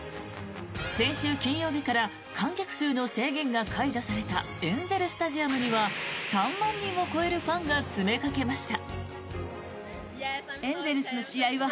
先週金曜日から観客数の制限が解除されたエンゼル・スタジアムには３万人を超えるファンが詰めかけました。